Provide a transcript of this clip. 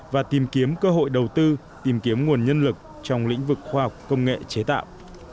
và tìm kiếm cơ hội đầu tư tìm kiếm nguồn nhân lực trong lĩnh vực khoa học công nghệ chế tạo